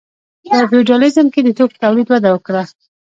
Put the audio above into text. په فیوډالیزم کې د توکو تولید وده وکړه.